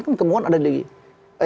kan kemauan ada di